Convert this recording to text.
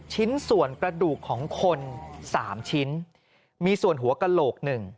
ชิ้นส่วนกระดูกของคน๓ชิ้นมีส่วนหัวกระโหลก๑